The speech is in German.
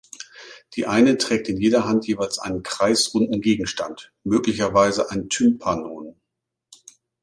Die eine trägt in jeder Hand jeweils einen kreisrunden Gegenstand, möglicherweise ein Tympanon.